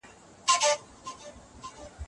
افغانستانه ودان دي غواړم.